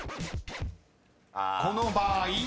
［この場合］